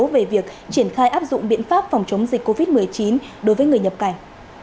về việc triển khai áp dụng biện pháp phòng chống dịch covid một mươi chín đối với người nhập cảnh